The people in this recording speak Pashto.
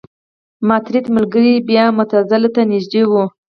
ماتریدي ملګري بیا معتزله ته نژدې وو.